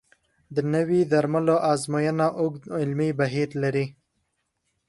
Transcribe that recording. د نوي درملو ازموینه اوږد علمي بهیر لري.